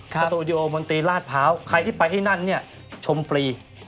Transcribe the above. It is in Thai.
สตูดิโอมนตรีลาดพร้าวใครที่ไปที่นั่นเนี่ยชมฟรี